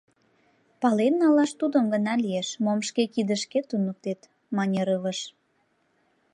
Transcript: — Пален налаш тудым гына лиеш, мом шке кидышкет туныктет, — мане Рывыж.